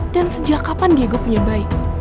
dan sejak kapan diego punya bayi